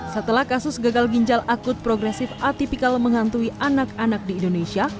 setelah kasus gagal ginjal akut progresif atipikal menghantui anak anak di indonesia